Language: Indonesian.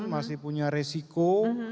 masih punya resiko